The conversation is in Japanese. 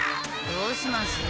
どうします？